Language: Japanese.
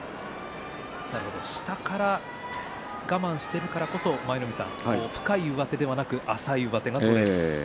下から我慢しているからこそ深い上手ではなく浅い上手が取れる。